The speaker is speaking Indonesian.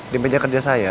di meja kerja saya